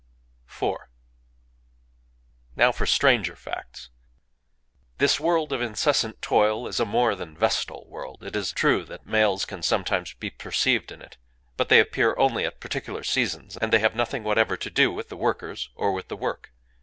IV Now for stranger facts:— This world of incessant toil is a more than Vestal world. It is true that males can sometimes be perceived in it; but they appear only at particular seasons, and they have nothing whatever to do with the workers or with the work.